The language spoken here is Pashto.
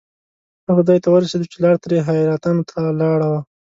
هغه ځای ته ورسېدو چې لار ترې حیرتانو ته لاړه وه.